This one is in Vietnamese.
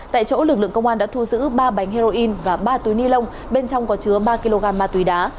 tại chỗ lực lượng công an đã thu giữ ba bánh heroin và ba túi ni lông bên trong có chứa ba kg ma túy đá